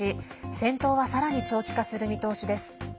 戦闘は、さらに長期化する見通しです。